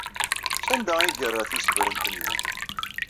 Sanda ay yerra tisebrent-nni?